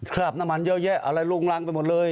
คราบน้ำมันเยอะแยะอะไรลงรังไปหมดเลย